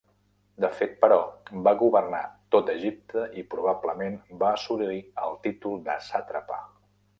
De fet però va governar tot Egipte i probablement va assolir el títol de sàtrapa.